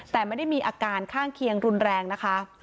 แต่ไม่ได้มีอาการข้างเคียงรุนแรงนะคะ